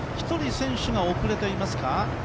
１人選手が遅れていますか？